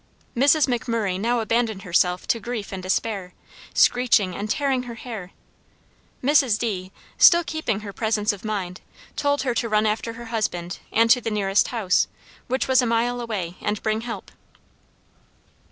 Mrs. McMurray now abandoned herself to grief and despair, screeching and tearing her hair. Mrs. D., still keeping her presence of mind, told her to run after her husband, and to the nearest house, which was a mile away, and bring help.